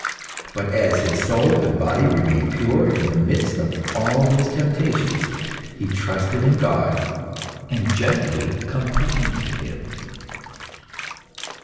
But as his soul and body remained pure in the midst of all his temptations, he trusted in God, and gently complained to Him.